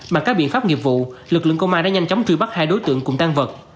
bằng các biện pháp nghiệp vụ lực lượng công an đã nhanh chóng truy bắt hai đối tượng cùng tan vật